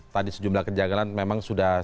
tadi sejumlah kerjagalan memang sudah sempat diperbaiki